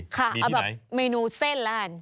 ค่ะเอาแบบเมนูเส้นแล้วกัน